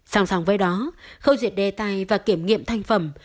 sòng sòng với đó khâu diệt đề tài và kiểm nghiệm thanh phẩm